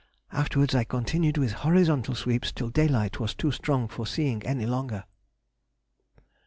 Afterwards I continued with horizontal sweeps till daylight was too strong for seeing any longer.